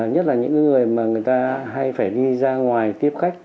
nhất là những người mà người ta hay phải đi ra ngoài tiếp khách